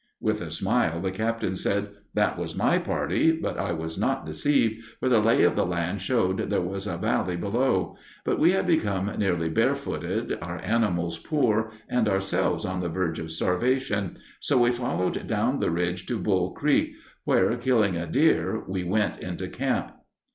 With a smile the Captain said, "That was my party, but I was not deceived, for the lay of the land showed there was a valley below; but we had become nearly barefooted, our animals poor, and ourselves on the verge of starvation; so we followed down the ridge to Bull Creek, where, killing a deer, we went into camp."